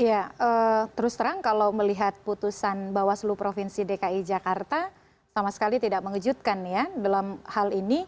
ya terus terang kalau melihat putusan bawaslu provinsi dki jakarta sama sekali tidak mengejutkan ya dalam hal ini